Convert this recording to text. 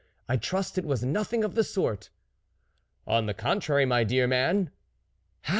I trust it was nothing of the sort." " On the contrary, my dear man." " How